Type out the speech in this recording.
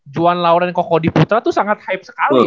juan lauren cocodiputra tuh sangat hype sekali ya